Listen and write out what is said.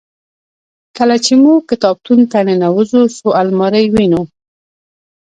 کله چې موږ کتابتون ته ننوزو څو المارۍ وینو.